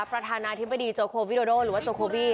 ประธานาธิบดีโจโควิโดโดหรือว่าโจโคบี้